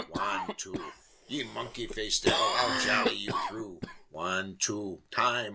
Wan two! Ye monkey faced divil, I'll jolly ye through! Wan two! Time!